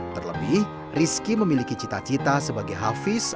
terlebih rizky memiliki cita cita sebagai hafiz